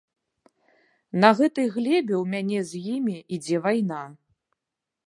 На гэтай глебе ў мяне з імі ідзе вайна.